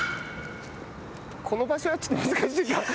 この場所はちょっと難しいか。